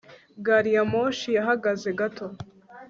gari ya moshi yahagaze gato